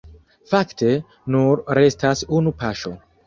Fakte, nur restas unu paŝo.